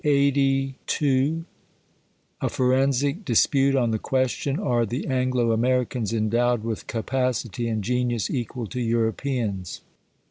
29o A Forensic Dispute, on the Question, Are the Anglo A^iericans endowed with CapacitV anp Genius equal to Europeans